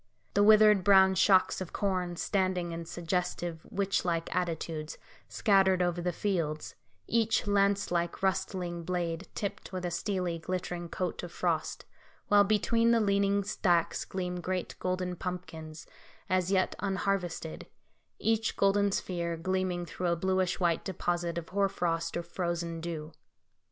The withered brown shocks of corn, standing in suggestive, witch like attitudes, scattered over the fields, each lance like rustling blade tipped with a steely, glittering coat of frost; while between the leaning stacks gleam great golden pumpkins, as yet unharvested, each golden sphere gleaming through a bluish white deposit of hoar frost, or frozen dew.